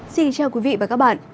xin chào quý vị và các bạn